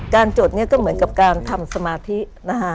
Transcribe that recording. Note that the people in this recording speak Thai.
การจดก็เหมือนกับการทำสมาธินะฮะ